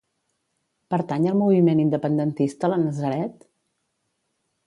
Pertany al moviment independentista la Nazaret?